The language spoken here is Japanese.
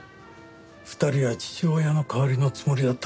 ２人は父親の代わりのつもりだったんでしょう。